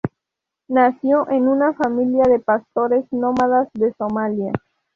Nació en una familia de pastores nómadas de Somalia.